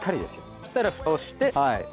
そしたら蓋をして。